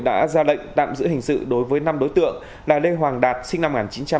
đã ra lệnh tạm giữ hình sự đối với năm đối tượng là lê hoàng đạt sinh năm một nghìn chín trăm tám mươi